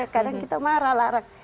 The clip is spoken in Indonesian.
kadang kita marah larang